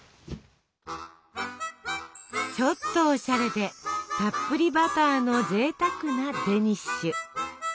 ちょっとおしゃれでたっぷりバターのぜいたくなデニッシュ。